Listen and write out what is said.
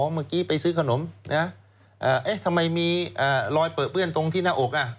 อ๋อเมื่อกี้ไปซื้อขนมทำไมมีรอยเปิดเปื้อนตรงที่หน้าอก